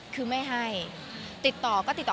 คือไม่ให้ติดต่อก็ติดต่อ